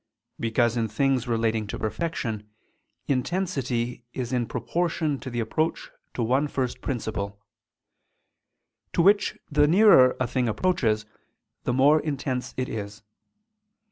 Because in things relating to perfection, intensity is in proportion to the approach to one first principle; to which the nearer a thing approaches, the more intense it is.